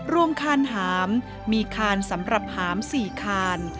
ร่วมขานหามมีขานสำหรับหาม๔ขาน